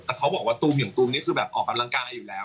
แต่เขาบอกว่าตูมอย่างตูมนี่คือแบบออกกำลังกายอยู่แล้ว